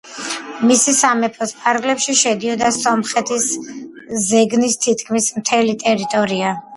მისი სამეფოს ფარგლებში შედიოდა სომხეთის ზეგნის თითქმის მთელი ტერიტორია.